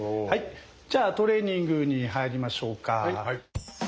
じゃあトレーニングに入りましょうか。